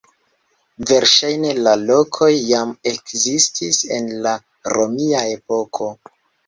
Verŝajne la lokoj jam ekzistis en la romia epoko.